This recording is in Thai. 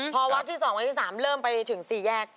พอวักที่สองวันที่สามเริ่มไปถึงสี่แยก